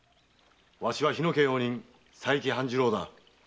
わしは日野家用人・佐伯半十郎だ。